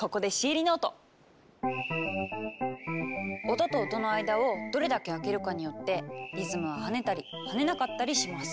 音と音の間をどれだけ空けるかによってリズムは跳ねたり跳ねなかったりします！